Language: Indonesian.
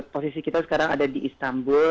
posisi kita sekarang ada di istanbul